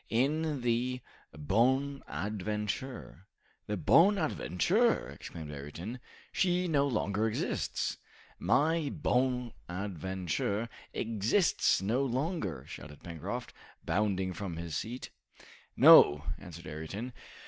"In the 'Bonadventure.'" "The 'Bonadventure!'" exclaimed Ayrton. "She no longer exists." "My 'Bonadventure' exists no longer!" shouted Pencroft, bounding from his seat. "No," answered Ayrton.